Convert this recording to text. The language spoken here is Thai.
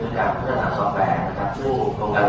ที่จะพัฒนาคมไว้